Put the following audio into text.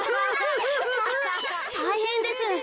たいへんです。